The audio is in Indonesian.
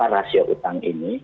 rasio utang ini